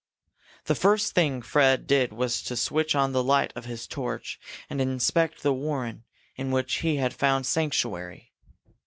The first thing Fred did was to switch on the light of his torch and inspect the warren in which he had found sanctuary.